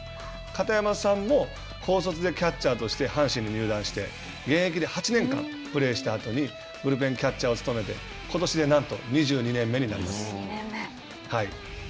片山さんも高卒でキャッチャーとして阪神に入団して現役で８年間プレーしたあとにブルペンキャッチャーを務めてことしでなんと２２年目になります。